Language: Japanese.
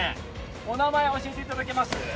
お名前教えていただけます？